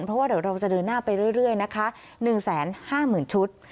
เพราะว่าเดี๋ยวเราจะเดินหน้าไปเรื่อยนะคะ๑๕๐๐๐ชุด